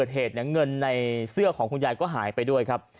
เกิดเหตุเนี่ยเงินในเสื้อของคุณยายก็หายไปด้วยครับ